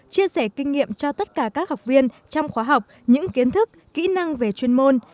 chia sẻ kinh nghiệm cho tất cả các học viên trong khóa học những kiến thức kỹ năng về chuyên môn